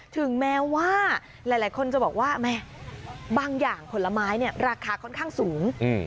ถึงแม้ว่าหลายคนจะบอกว่าแม่บางอย่างผลไม้เนี่ยราคาค่อนข้างสูง